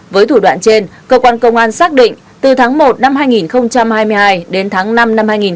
với thủ đoạn trên cơ quan công an xác định từ tháng một năm hai nghìn hai mươi hai đến tháng năm năm hai nghìn hai mươi ba